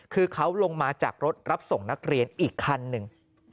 คือเขาลงมาจากรถรับส่งนักเรียนอีกคันหนึ่ง